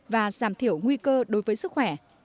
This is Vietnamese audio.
và giảm thiểu nguy cơ đối với sức khỏe